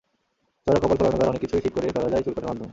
চওড়া কপাল, ফোলানো গাল—অনেক কিছুই ঠিক করে ফেলা যায় চুল কাটার মাধ্যমে।